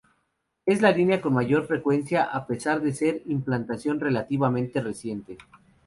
Es la línea con mayor frecuencia, a pesar de ser de implantación relativamente reciente.